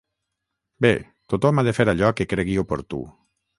Bé, tothom ha de fer allò que cregui oportú.